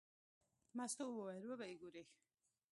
مستو وویل: وبه یې ګورې.